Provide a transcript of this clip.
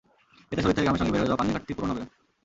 এতে শরীর থেকে ঘামের সঙ্গে বের হয়ে যাওয়া পানির ঘাটতি পূরণ হবে।